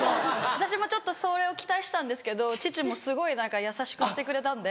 私もちょっとそれを期待してたんですけど父もすごい優しくしてくれたんで。